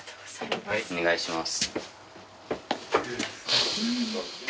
お願いします。